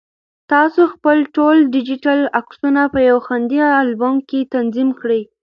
تاسو خپل ټول ډیجیټل عکسونه په یو خوندي البوم کې تنظیم کړئ.